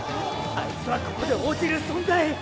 あいつはここで堕ちる存在。